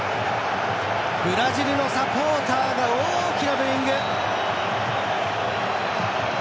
ブラジルのサポーターが大きなブーイング。